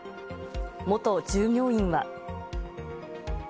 元従業員は。